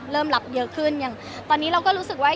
เริ่มรับเยอะขึ้นอย่างตอนนี้เราก็รู้สึกว่า